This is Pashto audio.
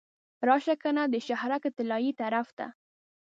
راشه کنه د شهرک طلایي طرف ته.